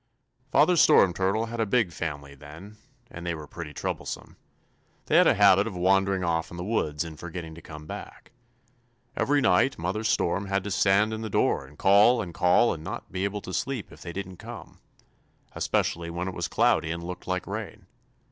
"'Father Storm Turtle had a big family then, and they were pretty troublesome. They had a habit of wandering off in the woods and forgetting to come back. Every night Mother Storm had to stand in the door and call and call and not be able to sleep if they didn't come, especially when it was cloudy and looked like rain.